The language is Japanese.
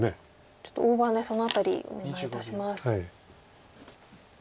ちょっと大盤でその辺りお願いいたします。